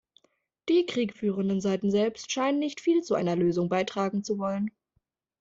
Die kriegführenden Seiten selbst scheinen nicht viel zu einer Lösung beitragen zu wollen.